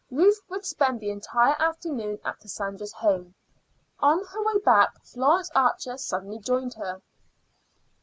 Ruth would spend the entire afternoon at Cassandra's home. On her way back Florence Archer suddenly joined her.